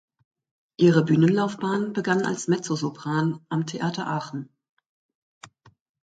Ihre Bühnenlaufbahn begann als Mezzosopran am Theater Aachen.